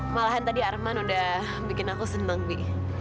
malahan tadi arman udah bikin aku seneng sih